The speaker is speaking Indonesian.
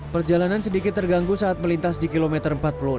perjalanan sedikit terganggu saat melintas di kilometer empat puluh enam